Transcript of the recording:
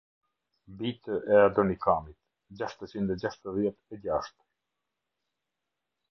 Bijtë e Adonikamit, gjashtëqind e gjashtëdhjetë e gjashtë.